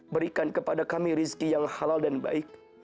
berikan kepada kami rizki yang halal dan baik